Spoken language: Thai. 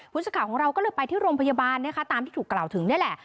สักข่าวของเราก็เลยไปที่โรงพยาบาลนะคะตามที่ถูกกล่าวถึงนี่แหละ